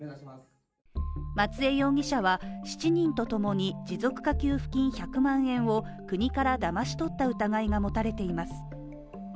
松江容疑者は、７人とともに持続化給付金１００万円を国からだまし取った疑いが持たれています。